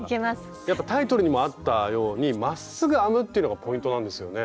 やっぱタイトルにもあったようにまっすぐ編むっていうのがポイントなんですよね？